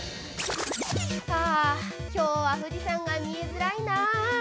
◆はぁ、きょうは富士山が見えづらいなぁ。